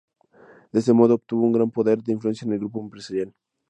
De este modo obtuvo un gran poder de influencia en el grupo empresarial.